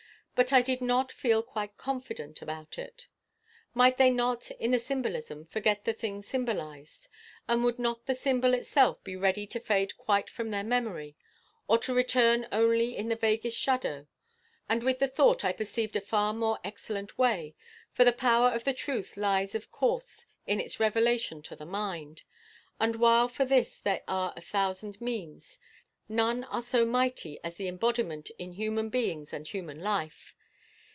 But I did not feel quite confident about it. Might they not in the symbolism forget the thing symbolised? And would not the symbol itself be ready to fade quite from their memory, or to return only in the vaguest shadow? And with the thought I perceived a far more excellent way. For the power of the truth lies of course in its revelation to the mind, and while for this there are a thousand means, none are so mighty as its embodiment in human beings and human life.